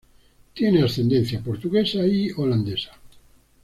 Tiene ascendencia portuguesa y holandesa.